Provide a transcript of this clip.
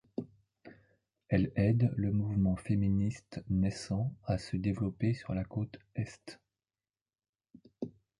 Elle aide le mouvement féministe naissant à se développer sur la côte Est.